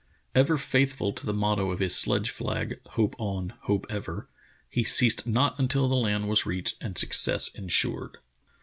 Ever faithful to the motto of his sledge flag, "Hope on: hope ever," he ceased not until the land was reached and success insured.